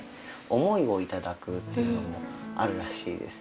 「思いをいただく」というのもあるらしいです。